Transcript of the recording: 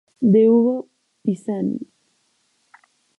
De Hugo Pisani.